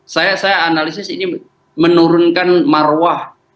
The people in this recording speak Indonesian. saya analisis ini menurunkan marwah